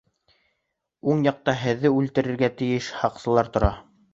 Уң яҡта һеҙҙе үлтеререгә тейеш һаҡсылар тора.